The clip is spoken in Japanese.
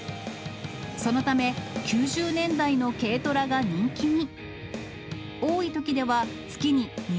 そのため、９０年代の軽トラが人気に。